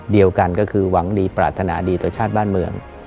เดียวกันก็คือหวังดีปรารถนาดีต่อชาติบ้านเมือง